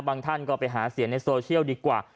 ท่านก็ไปหาเสียงในโซเชียลดีกว่า